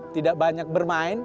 tidak banyak bermain